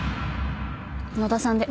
野田さんで。